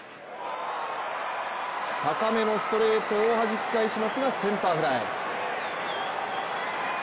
高めのストレートをはじき返しますが、センターフライ。